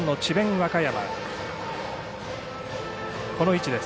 和歌山。